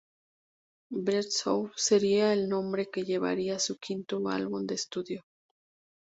Breathe Out" sería el nombre que llevaría su quinto álbum de estudio.